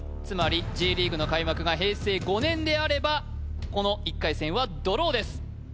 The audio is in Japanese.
つまりＪリーグの開幕が平成５年であればこの１回戦はドローです